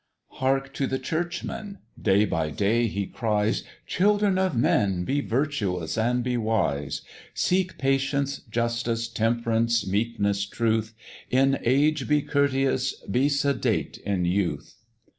"Hark to the Churchman: day by day he cries, 'Children of Men, be virtuous and be wise: Seek patience, justice, temp'rance, meekness, truth; In age be courteous, be sedate in youth.'